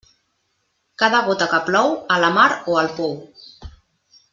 Cada gota que plou, a la mar o al pou.